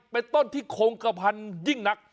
เป็นต้นที่คงกระพันยิ่งนัก